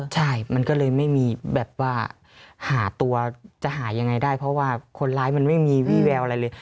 ใช่มันก็เลยไม่มีแบบว่าหาตัวจะหายังไงได้เพราะว่าคนร้ายมันไม่มีวี่แววอะไรเลย